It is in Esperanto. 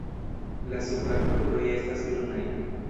La supra kruroj estas brunaj.